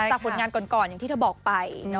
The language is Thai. จากผลงานก่อนอย่างที่เธอบอกไป